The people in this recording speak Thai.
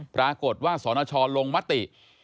ปรากฏว่าสนชลงมติ